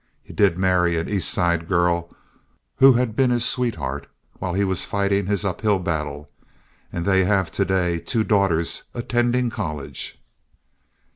He did marry an East Side girl who had been his sweetheart while he was fighting his uphill battle, and they have to day two daughters attending college.